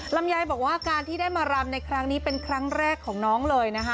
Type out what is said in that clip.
ลำไยบอกว่าการที่ได้มารำในครั้งนี้เป็นครั้งแรกของน้องเลยนะคะ